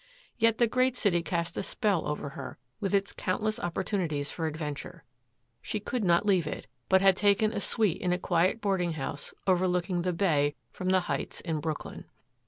Yet the great city cast a spell over her, with its countless opportunities for adventure. She could not leave it, but had taken a suite in a quiet boarding house overlooking the bay from the Heights in Brooklyn.